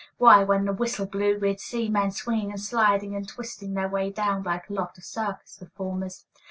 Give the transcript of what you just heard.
Why, when the whistle blew we'd see men swinging and sliding and twisting their way down like a lot of circus performers.